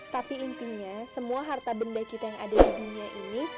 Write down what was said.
tapi intinya semua harta benda kita yang ada di dunia ini